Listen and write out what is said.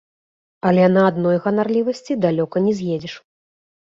Але на адной ганарлівасці далёка не з'едзеш.